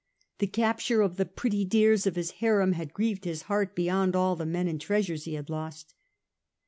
The capture of the pretty dears of his harem had grieved his heart beyond all the men and treasures he had lost.